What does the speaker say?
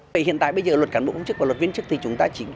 phương án ba chỉ kỷ luật tất cả các ý kiến đều nghiêng về phương án đầu tiên